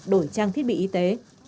đổi trang thiết bị y tế